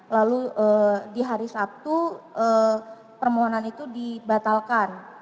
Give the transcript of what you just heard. lalu di hari sabtu permohonan itu dibatalkan